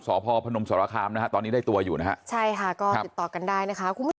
สพพนมสรคามนะฮะตอนนี้ได้ตัวอยู่นะฮะใช่ค่ะก็ติดต่อกันได้นะคะคุณผู้ชม